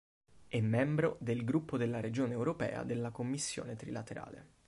È membro del Gruppo della Regione Europea della Commissione Trilaterale.